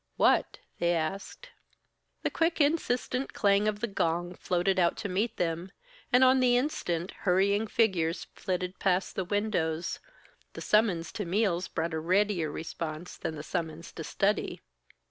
"What?" they asked. The quick insistent clang of the gong floated out to meet them, and on the instant, hurrying figures flitted past the windows the summons to meals brought a readier response than the summons to study.